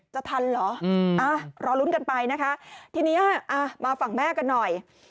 จะทันเหรอรอลุ้นกันไปนะคะทีนี้มาฝั่งแม่กันหน่อย